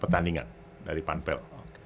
pertandingan dari panpel